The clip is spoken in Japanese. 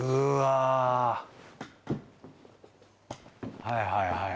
はいはいはい・